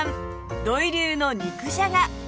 土井流の肉じゃが